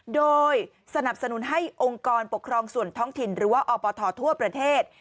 โดยสนับสนุนให้องค์กรปกครองส่วนท้องถิ่นหรือว่าอปททั่วประเทศ